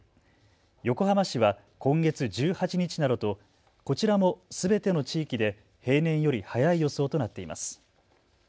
横浜市は今月１８日などとこちらもすべての地域で平年より早い予想となっています。